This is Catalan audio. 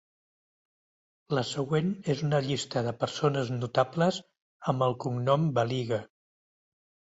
La següent és una llista de persones notables amb el cognom Baliga.